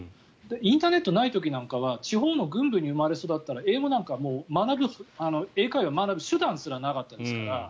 インターネットがない時なんかは地方の郡部に生まれ育ったら英会話なんか学ぶ手段すらなかったですから。